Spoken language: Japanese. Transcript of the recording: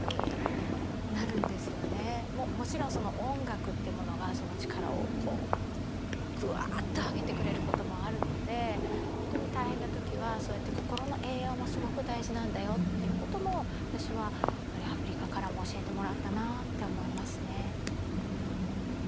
もちろん音楽というものがその力をぐわっと上げてくれることもあるので本当に大変な時は心の栄養もすごく大事なんだよということも私はアフリカからも教えてもらったなって思いますね。